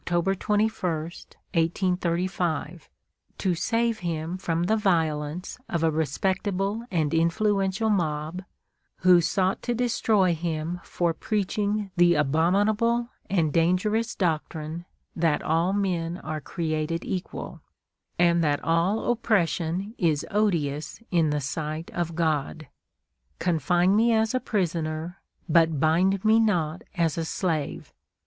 21, 1835, to save him from the violence of a respectable and influential mob, who sought to destroy him for preaching the abominable and dangerous doctrine that 'all men are created equal,' and that all oppression is odious in the sight of God. Confine me as a prisoner, but bind me not as a slave.